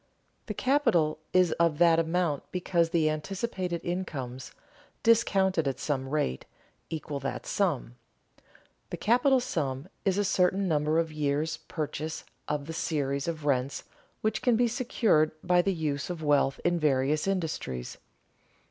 The capital is of that amount because the anticipated incomes, discounted at some rate, equal that sum. The capital sum is a certain number of years' purchase of the series of rents which can be secured by the use of wealth in various industries.